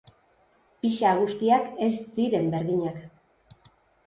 Pixa guztiak ez ziren berdinak.